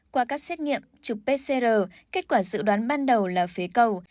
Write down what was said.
qua các xét nghiệm chụp pcr kết quả dự đoán ban đầu là phế cầu